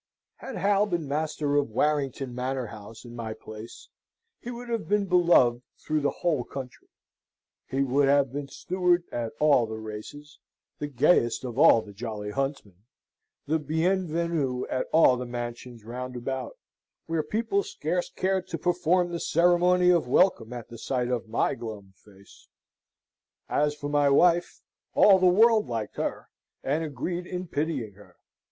Had Hal been master of Warrington Manor house, in my place, he would have been beloved through the whole country; he would have been steward at all the races, the gayest of all the jolly huntsmen, the bien venu at all the mansions round about, where people scarce cared to perform the ceremony of welcome at sight of my glum face. As for my wife, all the world liked her, and agreed in pitying her.